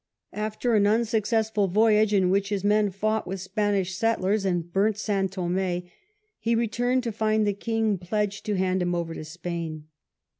After an unsuccessful voyage, in which his men fought with Spanish settlers and burnt St. Thom^, he returned to find the king pledged to hand him over to Spain.